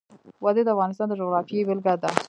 وادي د افغانستان د جغرافیې بېلګه ده.